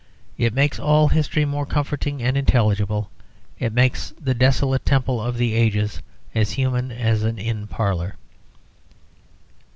It makes all history more comforting and intelligible; it makes the desolate temple of the ages as human as an inn parlour.